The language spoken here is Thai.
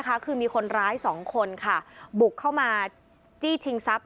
คือมีคนร้ายสองคนค่ะบุกเข้ามาจี้ชิงทรัพย